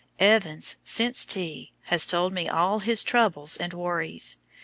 Evans, since tea, has told me all his troubles and worries.